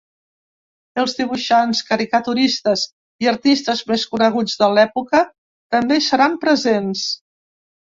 Els dibuixants, caricaturistes i artistes més coneguts de l’època també hi seran presents.